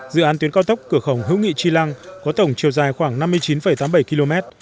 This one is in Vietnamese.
dự án tuyến cao tốc cửa khẩu hữu nghị tri lăng có tổng chiều dài khoảng năm mươi chín tám mươi bảy km